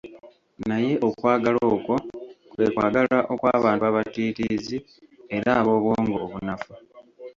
Naye okwagala okwo kwe kwagala okw'abantu abatiitiizi era ab'obwongo obunafu.